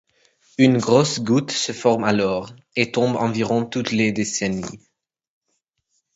Une grosse goutte se forme alors, et tombe environ toutes les décennies.